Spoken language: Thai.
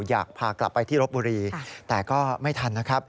อยากพากลับไปที่รบบุรีแต่ก็ไม่ทันนะครับ